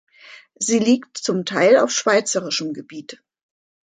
Sie liegt zum Teil auf schweizerischem Gebiet.